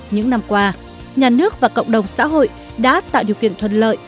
những năm qua nhà nước và cộng đồng xã hội đã tạo điều kiện thuận lợi